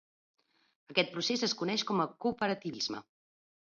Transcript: Aquest procés es coneix com a cooperativisme.